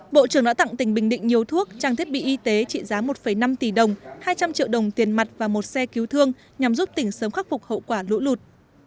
bộ trưởng đã tặng tỉnh bình định nhiều thuốc trang thiết bị y tế trị giá một năm tỷ đồng hai trăm linh triệu đồng tiền mặt và một xe cứu thương nhằm giúp tỉnh sớm khắc phục hậu quả lũ lụt